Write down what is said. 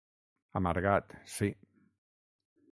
Amargat, sí.